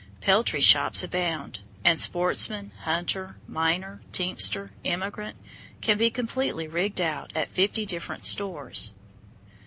Peltry shops abound, and sportsman, hunter, miner, teamster, emigrant, can be completely rigged out at fifty different stores.